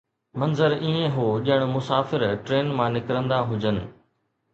منظر ائين هو ڄڻ مسافر ٽرين مان نڪرندا هجن.